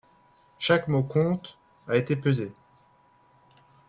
Chaque mot compte a été pesé.